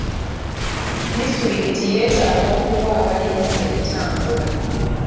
Disitulikiti yeetaaga okuwa abalimisa entambula.